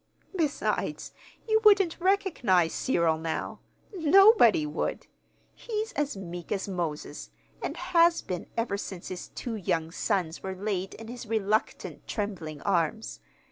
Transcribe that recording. Besides, you wouldn't recognize Cyril now. Nobody would. He's as meek as Moses, and has been ever since his two young sons were laid in his reluctant, trembling arms.